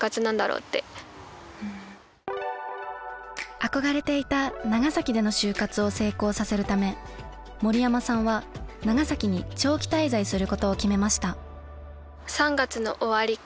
憧れていた長崎での就活を成功させるため森山さんは長崎に長期滞在することを決めました。